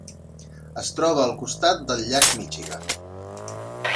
Es troba al costat del Llac Michigan.